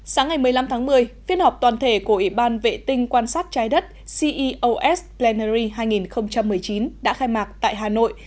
sáng ngày một mươi năm tháng một mươi phiên họp toàn thể của ủy ban vệ tinh quan sát trái đất ceos plenerry hai nghìn một mươi chín đã khai mạc tại hà nội